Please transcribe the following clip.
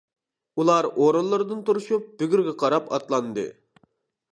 ئۇلار ئورۇنلىرىدىن تۇرۇشۇپ بۈگۈرگە قاراپ ئاتلاندى.